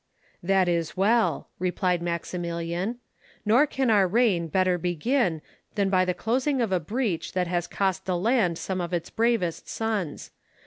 "That is well," replied Maximilian. "Nor can our reign better begin than by the closing of a breach that has cost the land some of its bravest sons.